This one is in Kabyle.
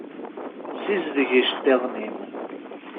Sizdeg iceṭṭiḍen-im.